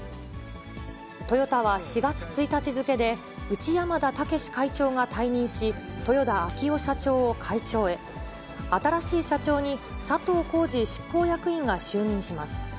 トヨタは４月１日付で、内山田竹志会長が退任し、豊田章男社長を会長へ、新しい社長に佐藤恒治執行役員が就任します。